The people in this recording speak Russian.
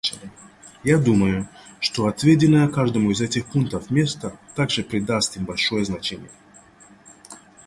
Я думаю, что отведенное каждому из этих пунктов место также придаст им большое значение.